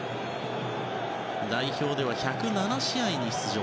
代表では１０７試合に出場。